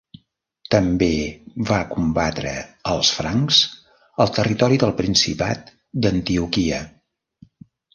També va combatre als francs al territori del principat d'Antioquia.